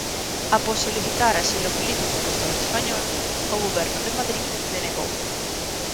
Após solicitar asilo político no Estado español, o goberno de Madrid denegoullo.